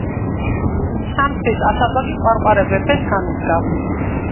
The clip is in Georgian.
სამცხის ათაბაგი ყვარყვარე მეფეს განუდგა.